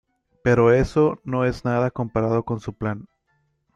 pero eso no es nada comparado con su plan.